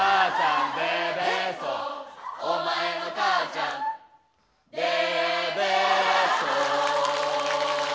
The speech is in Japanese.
お前の母ちゃんでべそ。